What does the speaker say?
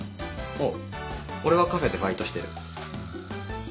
あぁ俺はカフェでバイトしてる。